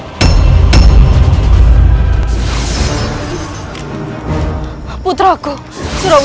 saya akan ngecahkannya supaya kau tidak makhluk